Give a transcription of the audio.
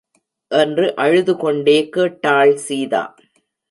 என்று அழுதுகொண்டே கேட்டாள் சீதா.